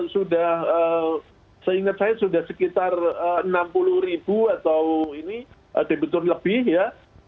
sudah seingat saya sudah sekitar rp enam puluh atau ini debiturnya lebih ya